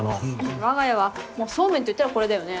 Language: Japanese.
わが家はそうめんといったらこれだよね。